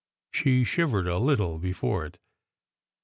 She shivered a little before it.